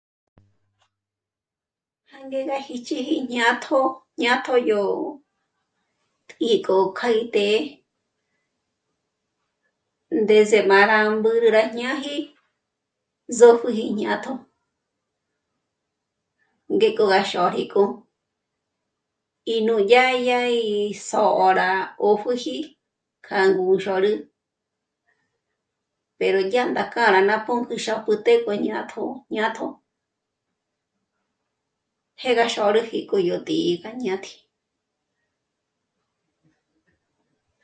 Hângé gá híchiji jñátjo jñátjo yó t'ǐ'i k'o kjà í t'ë'ë ndés'e m'á rá mbürü rá ñáji zòpjüji jñátjo ngéko rá xóri k'o í nú dyádyá gí s'ó'o rá 'òpjùji kjá gú ndzhörü péro dyà nà kjárü ná pǔnkü xápjü tjék'o jñátjo jñátjo hé ga xǒrüji yók'o yó t'ǐ'i gájñát'i'i